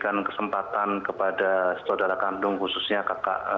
berikan kesempatan kepada saudara kandung khususnya kakak